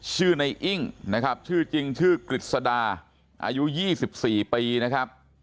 ชื่อในอิ้งนะครับชื่อจริงชื่อกฤษดาอายุ๒๔ปีนะครับ